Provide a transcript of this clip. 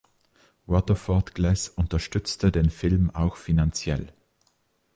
Waterford Glass unterstützte den Film auch finanziell.